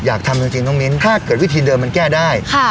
อยากทำจริงน้องมิ้นถ้าเกิดวิธีเดิมมันแก้ได้